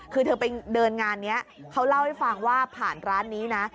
คือเธอไปเดินงานนี้เขาเล่าให้ฟังว่าผ่านร้านนี้นะ